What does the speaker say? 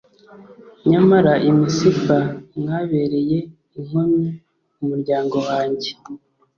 nyamara i Misipa mwabereye inkomyi umuryango wanjye,